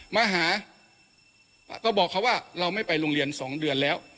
มาหาก็บอกเขาว่าเราไม่ไปโรงเรียน๒เดือนแล้ว